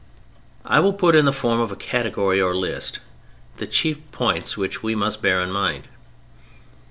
I will put in the form of a category or list the chief points which we must bear in mind.